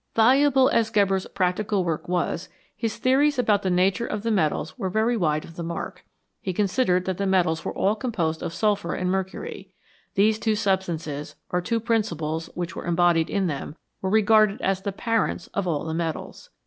Valuable as Geber's practical work was, his theories about the nature of the metals were very wide of the mark. He considered that the metals were all composed of sulphur and mercury ; these two substances, or two principles which were embodied in them, were regarded as the "parents" of all the metals.